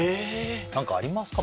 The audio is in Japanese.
何かありますか？